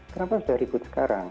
kenapa sudah ribut sekarang